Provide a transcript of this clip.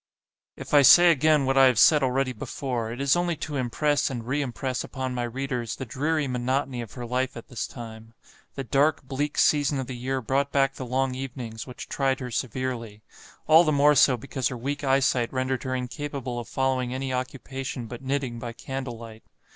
If I say again what I have said already before, it is only to impress and re impress upon my readers the dreary monotony of her life at this time. The dark, bleak season of the year brought back the long evenings, which tried her severely: all the more so, because her weak eyesight rendered her incapable of following any occupation but knitting by candle light.